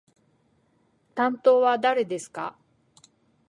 担当は誰ですか？